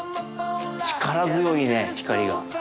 力強いね光が。